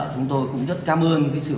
chúng tôi cũng rất cảm ơn sự hỗ trợ